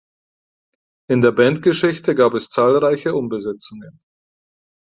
In der Bandgeschichte gab es zahlreiche Umbesetzungen.